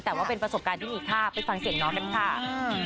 แต่ว่าเป็นประสบการณ์ที่มีค่าไปฟังเสียงน้องกันค่ะ